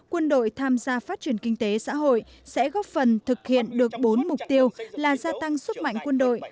quân đội tham gia phát triển kinh tế xã hội sẽ góp phần thực hiện được bốn mục tiêu là gia tăng sức mạnh quân đội